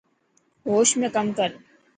هوش ۾ ڪم ڪر.